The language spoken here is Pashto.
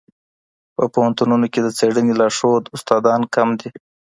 په پوهنتونونو کي د څېړني لارښود استادان کم دي.